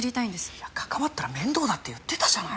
いや関わったら面倒だって言ってたじゃない。